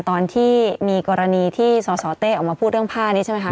ตอนที่มีกรณีที่สสเต้ออกมาพูดเรื่องผ้านี้ใช่ไหมคะ